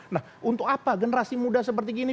nah untuk apa generasi muda seperti gini